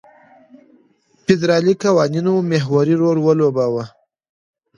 فدرالي قوانینو محوري رول ولوباوه.